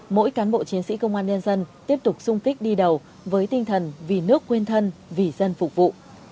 mỗi cán bộ chiến sĩ công an nhân dân tiếp tục sung kích đi đầu với tinh thần vì nước quên thân vì dân phục vụ